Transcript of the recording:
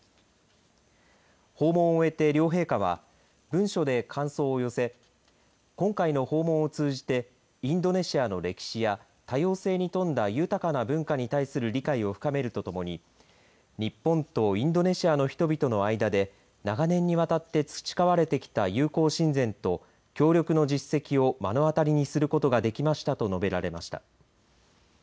訪問を終えて両陛下は文書で感想を寄せ今回の訪問を通じてインドネシアの歴史や多様性に富んだ豊かな文化に対する理解を深めるとともに日本とインドネシアの人々の間で長年にわたって培われてきた友好親善と協力の実績を目の当たりにすることができましたと述べられました。